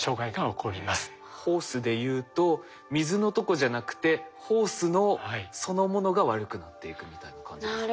ホースでいうと水のとこじゃなくてホースのそのものが悪くなっていくみたいな感じですね。